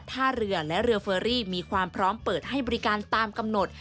ท่าเรือและเรือเฟอรี่มีความพร้อมเปิดให้บริการตามกำหนด